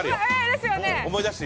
思い出して。